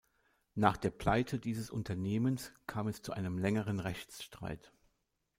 Nach der Pleite dieses Unternehmens kam es zu einem längeren Rechtsstreit.